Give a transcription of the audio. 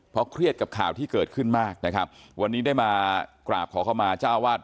เพราะเครียดกับข่าวที่เกิดขึ้นมากนะครับวันนี้ได้มากราบขอเข้ามาเจ้าวาด